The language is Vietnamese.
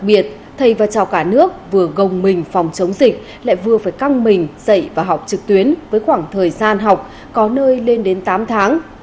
đặc biệt thầy và trò cả nước vừa gồng mình phòng chống dịch lại vừa phải căng mình dạy và học trực tuyến với khoảng thời gian học có nơi lên đến tám tháng